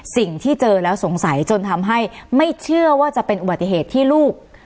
สิ่งที่เจอแล้วสงสัยจนทำให้ไม่เชื่อว่าจะเป็นอุบัติเหตุที่ลูก